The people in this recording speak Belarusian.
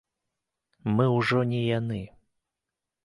Мы ўжо не яны.